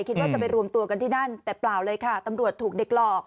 คิดว่าจะไปรวมตัวกันที่นั่นแต่เปล่าเลยค่ะตำรวจถูกเด็กหลอก